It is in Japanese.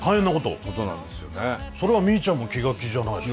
それはみーちゃんも気が気じゃないでしょ。